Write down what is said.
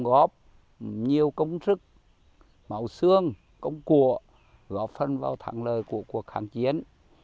góp nhiều công sức màu xương công cụa góp phân vào thẳng lời của cuộc kháng chiến